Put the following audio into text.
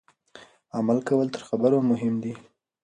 عمل کول تر خبرو مهم دي.